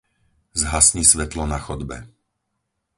Zhasni svetlo na chodbe.